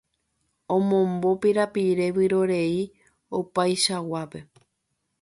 Omombo pirapire vyrorei opaichaguápe